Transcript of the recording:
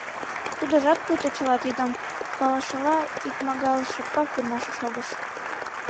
Тудыжат пуйто чыла тидым палышыла икмагал шыпак гына шогыш.